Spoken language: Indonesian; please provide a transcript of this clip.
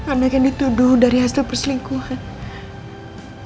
anaknya dituduh dari hasil perselingkuhan